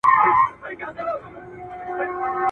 چا توري، چا قلمونه او چا دواړه چلولي دي `